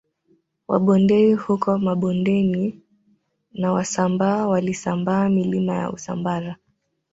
Wabondei huko Mabondeni na Wasambaa walisambaa milima ya Usambara